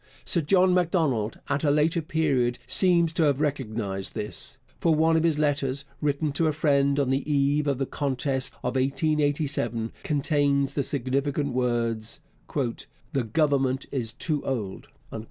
Sir John Macdonald, at a later period, seems to have recognized this, for one of his letters, written to a friend on the eve of the contest of 1887, contains the significant words, 'the Government is too old.'